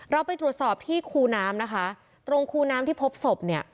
เราไปตรวจสอบที่คูน้ำนะคะตรงคูน้ำที่พบศพเนี่ย